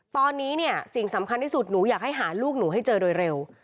ตอนนี้เนี่ยสิ่งสำคัญที่สุดหนูอยากให้หาลูกหนูให้เจอโดยเร็ว